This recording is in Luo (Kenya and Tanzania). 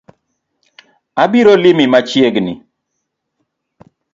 Abiro limi machiegni